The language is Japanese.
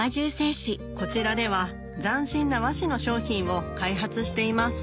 こちらでは斬新な和紙の商品を開発しています